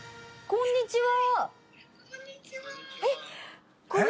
こんにちは。